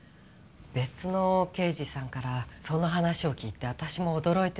別の刑事さんからその話を聞いて私も驚いてるんです。